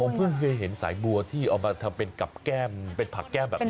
ผมเพิ่งเคยเห็นสายบัวที่เอามาทำเป็นกับแก้มเป็นผักแก้มแบบนี้